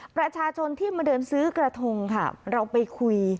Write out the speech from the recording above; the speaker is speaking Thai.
ประชาชนที่มาเดินซื้อกระทงค่ะเราไปคุย